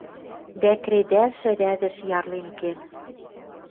Дӓ, кредӓлшӹ рядӹш ярлен кен